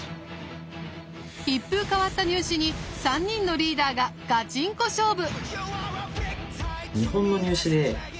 一風変わった入試に３人のリーダーがガチンコ勝負！